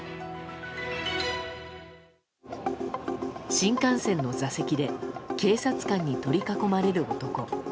新幹線の座席で警察官に取り囲まれる男。